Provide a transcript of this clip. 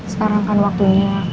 sekarang kan waktunya